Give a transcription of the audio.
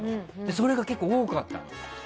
それが結構多かったの。